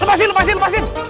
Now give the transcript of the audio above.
lepasin lepasin lepasin